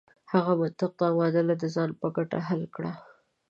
هغه منطق دا معادله د ځان په ګټه حل کړه.